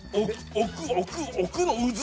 奥、奥、奥の渦！